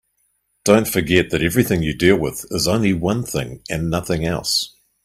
Don't forget that everything you deal with is only one thing and nothing else.